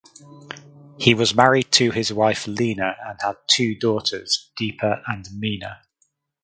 He was married to his wife Leena and had two daughters Deepa and Mina.